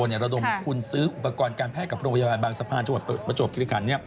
เราดมคุณซื้ออุปกรณ์การแพทย์กับโรงพยาบาลบางสะพานช่วงประจบกิจการ